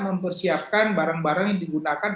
mempersiapkan barang barang yang digunakan